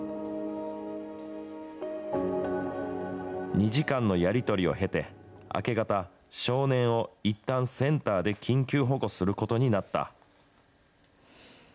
２時間のやり取りを経て、明け方、少年をいったんセンターで緊急保護することになった。